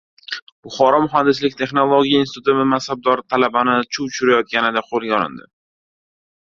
Buxoro muhandislik texnologiya instituti mansabdori talabani chuv tushirayotganida qo‘lga olindi